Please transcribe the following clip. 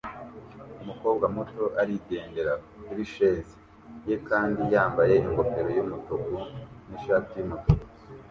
Umukobwa muto arigendera kurisheze ye kandi yambaye ingofero yumutuku nishati yumutuku